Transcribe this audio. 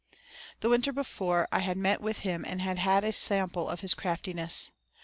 The winter before I had met with him and had had a sample of his craftiness.